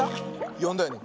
よんだよね